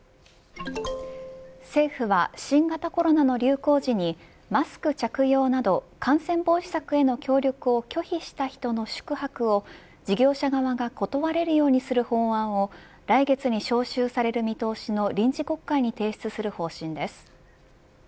政府は新型コロナの流行時にマスク着用など感染防止策への協力を拒否した人の宿泊を事業者側が断れるようにする法案を来月に召集される見通しの臨時国会に提出する方針です。